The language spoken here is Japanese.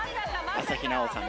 朝日奈央さん。